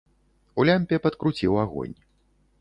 У лямпе падкруціў агонь.